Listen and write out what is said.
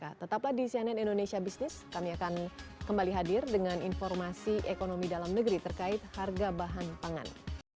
ya tetaplah di cnn indonesia business kami akan kembali hadir dengan informasi ekonomi dalam negeri terkait harga bahan pangan